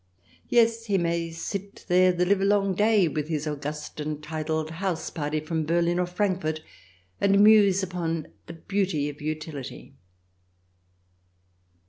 Yes, he may sit there the livelong day with his august and titled house party from Berlin or Frankfort and muse upon the beauty of utility.